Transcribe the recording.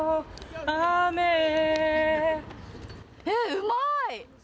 うまい！